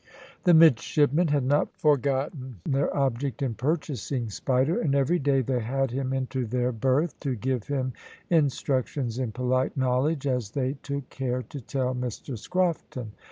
The midshipmen had not forgotten their object in purchasing Spider, and every day they had him into their berth to give him instructions in polite knowledge, as they took care to tell Mr Scrofton.